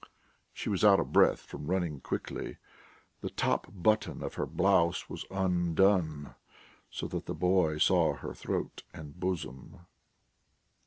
She was out of breath from running quickly. The top button of her blouse was undone, so that the boy saw her throat and bosom.